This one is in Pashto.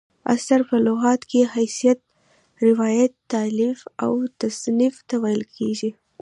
اثر: په لغت کښي حدیث، روایت، تالیف او تصنیف ته ویل کیږي.